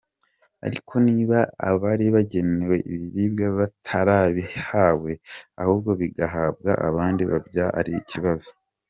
Ariko niba abari bagenewe ibiribwa batarabihawe ahubwo bigahabwa abandi byaba ari ikibazo.